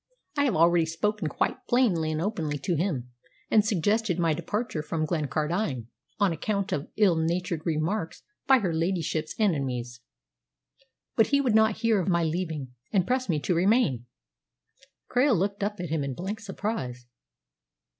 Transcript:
I have already spoken quite plainly and openly to him, and suggested my departure from Glencardine on account of ill natured remarks by her ladyship's enemies. But he would not hear of my leaving, and pressed me to remain." Krail looked at him in blank surprise.